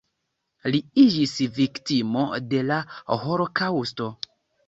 Li iĝis viktimo de la holokaŭsto.